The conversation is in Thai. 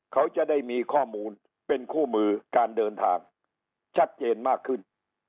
เขาจะได้มีข้อมูลเป็นคู่มือการเดินทางชัดเจนมากขึ้น